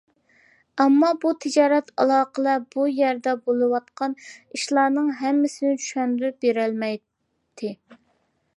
ئەمما بۇ تىجارەت ئالاقىلەر بۇ يەردە بولۇۋاتقان ئىشلارنىڭ ھەممىسىنى چۈشەندۈرۈپ بېرەلمەيتتى.